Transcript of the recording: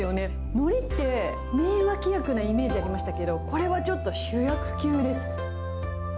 のりって、名脇役なイメージありましたけど、これはちょっと主役級です。